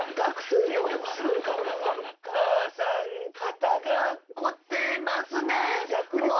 「母さん肩が凝ってますね」